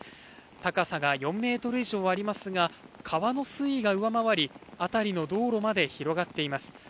高さが４ｍ以上ありますが、川の水位が上回り、辺りの道路まで広がっています。